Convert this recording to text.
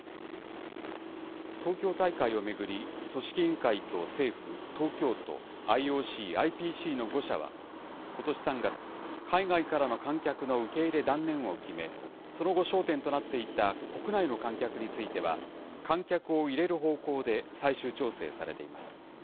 東京大会を巡り、組織委員会と政府、東京都、ＩＯＣ、ＩＰＣの５者は、ことし３月、海外からの観客の受け入れ断念を決め、その後、焦点となっていた国内の観客については、観客を入れる方向で最終調整されています。